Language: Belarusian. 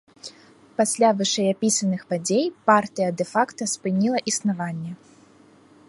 Пасля вышэйапісаных падзей, партыя дэ-факта спыніла існаванне.